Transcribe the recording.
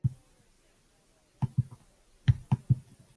The town was named after nearby Grand Coulee.